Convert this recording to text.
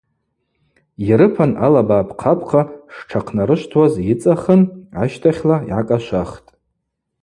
Йрыпан алаба апхъапхъа штшахънарышвтуаз йыцӏахын ащтахьла йгӏакӏашвахтӏ.